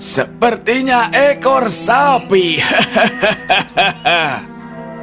sepertinya ekor sapi hahaha